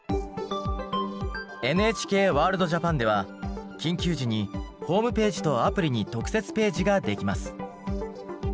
ＮＨＫワールドＪＡＰＡＮでは緊急時にホームページとアプリに特設ページができます。